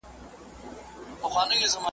مړ سړی او ږیره کولای سي په ګڼ ډګر کي ښکاره سي.